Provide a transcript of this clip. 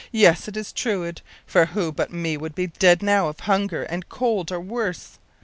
“Yes, it is Truide, who but for me would be dead now of hunger and cold or worse.